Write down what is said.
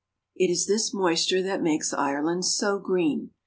It is this moisture that makes Ireland so green.